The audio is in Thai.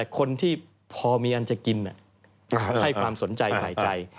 คนที่พอมีอันจะกินให้ความสนใจใส่ใจ